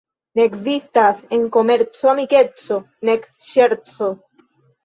Ne ekzistas en komerco amikeco nek ŝerco.